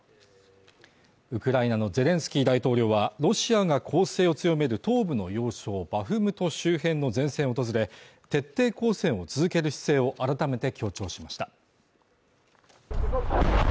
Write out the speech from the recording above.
ウクライナのゼレンスキー大統領はロシアが攻勢を強める東部の要衝バフムト周辺の前線を訪れ徹底抗戦を続ける姿勢を改めて強調しました。